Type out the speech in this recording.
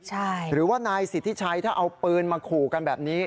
ใช่หรือว่านายสิทธิชัยถ้าเอาปืนมาขู่กันแบบนี้